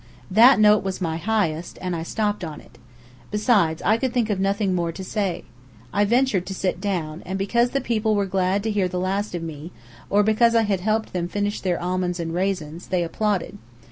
That note was my highest, and I stopped on it. Besides, I could think of nothing more to say. I ventured to sit down; and because the people were glad to hear the last of me, or because I had helped them finish their almonds and raisins, they applauded.